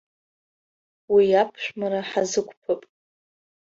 Уи аԥшәмара ҳазықәԥап.